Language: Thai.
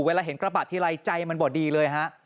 เห็นกระบะทีไรใจมันบ่ดีเลยฮะ